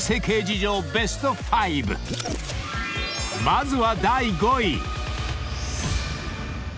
［まずは第５位］